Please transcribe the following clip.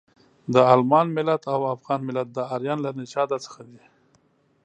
د المان ملت او افغان ملت د ارین له نژاده څخه دي.